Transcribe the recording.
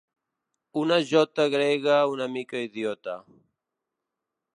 Una jota grega una mica idiota.